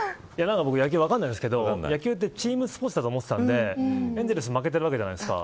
僕、野球分かんないんですけど野球ってチームスポーツだと思ってたんでエンゼルス負けてるわけじゃないですか。